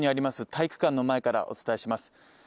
体育館の前からお伝えします。